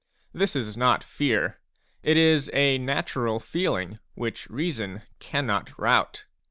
This is not fear ; it is a natural feeling which reason cannot rout.